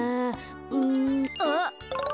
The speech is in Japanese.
うんあっ！